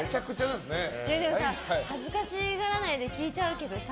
恥ずかしがらないで聞いちゃうけどさ